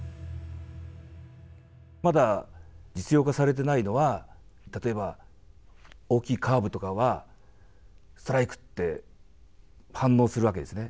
まだ実用化されてないのは、例えば、大きいカーブとかは、ストライクって反応するわけですね。